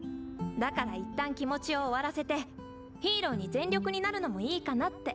だから一旦気持ちを終わらせてヒーローに全力になるのもいいかなって。